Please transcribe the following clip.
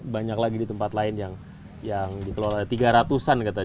banyak lagi di tempat lain yang dikelola tiga ratusan kata janda